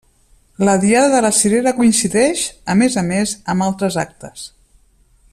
La Diada de la Cirera coincideix, a més a més, amb altres actes.